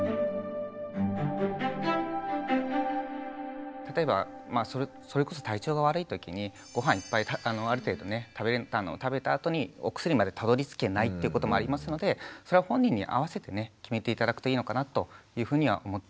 ただし例えばそれこそ体調が悪い時にごはんいっぱいある程度食べたあとにお薬までたどりつけないってこともありますのでそれは本人に合わせて決めて頂くといいのかなというふうには思っています。